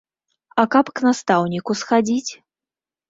А каб к настаўніку схадзіць?